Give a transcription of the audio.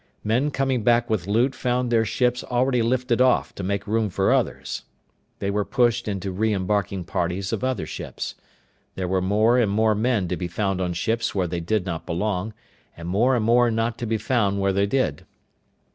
Men coming back with loot found their ships already lifted off to make room for others. They were pushed into re embarking parties of other ships. There were more and more men to be found on ships where they did not belong, and more and more not to be found where they did.